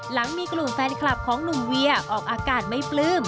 หลังมีกลุ่มแฟนคลับของหนุ่มเวียออกอากาศไม่ปลื้ม